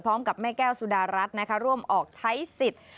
พร้อมกับแม่แก้วสุดารัฐนะคะร่วมออกใช้สิทธิ์